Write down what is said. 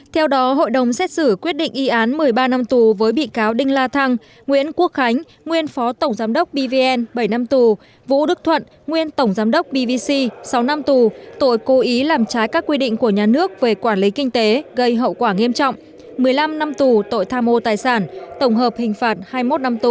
theo đó hội đồng xét xử quyết định y án một mươi ba năm tù với bị cáo đinh la thăng nguyễn quốc khánh nguyên phó tổng giám đốc pvn bảy năm tù vũ đức thuận nguyên tổng giám đốc pvc sáu năm tù tội cố ý làm trái các quy định của nhà nước về quản lý kinh tế gây hậu quả nghiêm trọng một mươi năm năm tù tội tham mô tài sản tổng hợp hình phạt hai mươi một năm tù